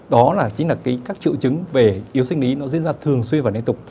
đó chính là các triệu chứng về yêu sinh lý nó diễn ra thường xuyên và nê tục